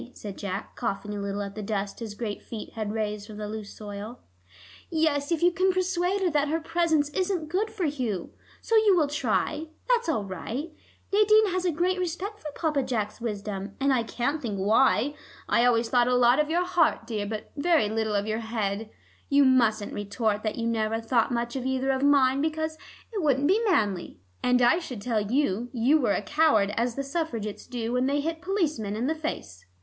said Jack, coughing a little at the dust his great feet had raised from the loose soil. "Yes, if you can persuade her that her presence isn't good for Hugh. So you will try; that's all right. Nadine has a great respect for Papa Jack's wisdom, and I can't think why. I always thought a lot of your heart, dear, but very little of your head. You mustn't retort that you never thought much of either of mine, because it wouldn't be manly, and I should tell you you were a coward as the Suffragettes do when they hit policemen in the face."